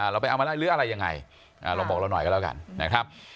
เราไปเอามาได้หรืออะไรยังไงลองบอกเราหน่อยก็แล้วกันนะครับ